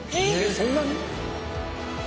そんなに？